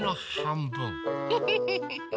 フフフフフ！